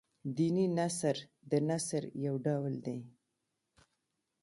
دیني نثر د نثر يو ډول دﺉ.